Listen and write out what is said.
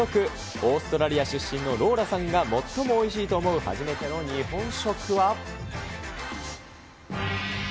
オーストラリア出身のローラさんが最もおいしいと思う初めての日本食は。